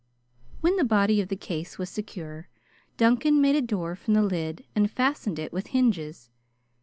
When the body of the case was secure, Duncan made a door from the lid and fastened it with hinges.